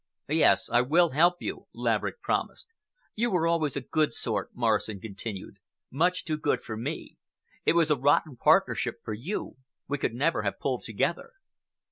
"Yes, I will help you," Laverick promised. "You were always a good sort," Morrison continued, "much too good for me. It was a rotten partnership for you. We could never have pulled together."